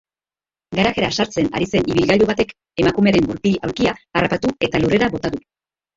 Garajera sartzen ari zen ibilgailu batek emakumearen gurpil-aulkia harrapatu eta lurrera bota du.